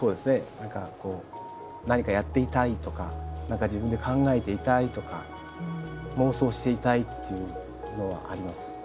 何かこう「何かやっていたい」とか「何か自分で考えていたい」とか「妄想していたい」っていうのはあります。